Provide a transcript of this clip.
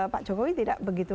pak jokowi tidak begitu